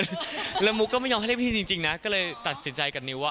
แล้วมุกก็ไม่ยอมให้เรียกพี่จริงนะก็เลยตัดสินใจกับนิวว่า